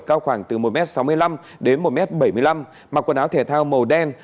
cao khoảng từ một m sáu mươi năm đến một m bảy mươi năm mặc quần áo thể thao màu đen